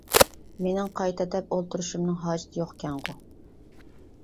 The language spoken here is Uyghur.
مىنىڭ قايتا دەپ ئولتۇرۇشۇمنىڭ ھاجىتى يوقكەنغۇ.